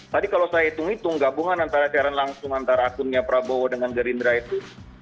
tadi kalau saya hitung hitung gabungan antara siaran langsung antara akunnya prabowo dengan gerindra itu